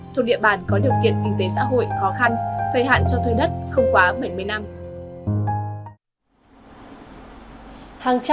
thuộc địa bàn có điều kiện kinh tế xã hội khó khăn thời hạn cho thuê đất không quá bảy mươi năm